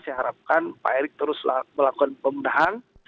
saya harapkan pak erik terus melakukan pemudahan